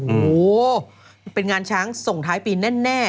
โอ้โหเป็นงานช้างส่งท้ายปีแน่